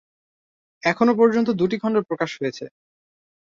এখনও পর্যন্ত দুটি খন্ড প্রকাশ হয়েছে।